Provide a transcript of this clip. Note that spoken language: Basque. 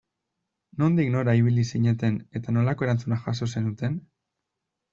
Nondik nora ibili zineten eta nolako erantzuna jaso zenuten?